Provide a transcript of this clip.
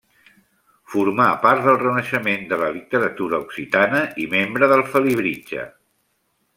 Formà part del renaixement de la literatura occitana i membre del Felibritge.